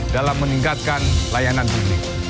dalam meningkatkan layanan publik